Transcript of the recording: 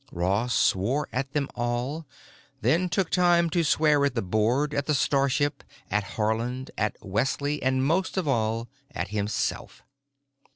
Ross swore at them all, then took time to swear at the board, at the starship, at Haarland, at Wesley, and most of all at himself.